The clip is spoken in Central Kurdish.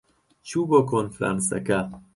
چوو بۆ کۆنفرانسەکە.